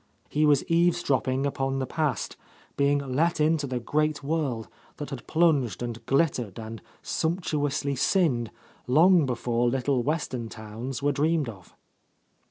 He was eavesdropping upon the past, being let into the great world that had plunged and glit tered and sumptuously sinned long before little — 8t— A X'Ost Western towns were,(^gamed of.